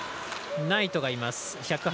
ナイトがいます。